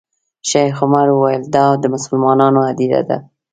شیخ عمر وویل دا د مسلمانانو هدیره ده.